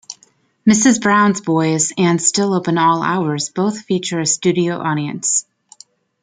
"Mrs Brown's Boys" and "Still Open All Hours" both feature a studio audience.